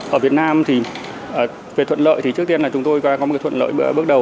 ở việt nam thì về thuận lợi thì trước tiên là chúng tôi có một thuận lợi bước đầu